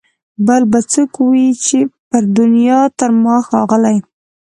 بل به څوک وي پر دنیا تر ما ښاغلی